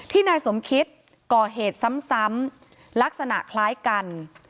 นายสมคิดก่อเหตุซ้ำลักษณะคล้ายกัน